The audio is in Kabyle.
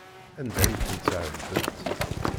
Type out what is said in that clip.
Anda ay ten-tɛebdemt?